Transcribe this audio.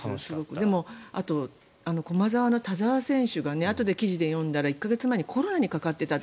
でも、あと駒澤の田澤選手があとで記事で読んだら１か月前にコロナにかかっていたって。